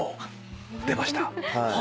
出ました。